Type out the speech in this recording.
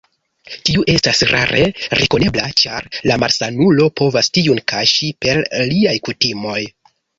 Tiu estas rare rekonebla, ĉar la malsanulo povas tiun kaŝi per liaj kutimoj.